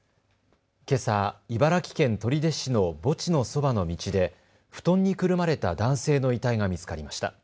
けさ、茨城県取手市の墓地のそばの道で布団にくるまれた男性の遺体が見つかりました。